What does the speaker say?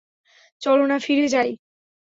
চলনা ফিরে যাই!